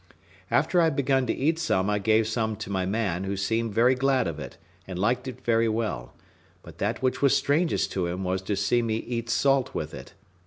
After I had begun to eat some I gave some to my man, who seemed very glad of it, and liked it very well; but that which was strangest to him was to see me eat salt with it.